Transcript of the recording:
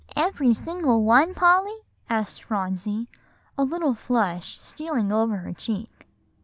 "Every single one, Polly?" asked Phronsie, a little flush stealing over her cheek.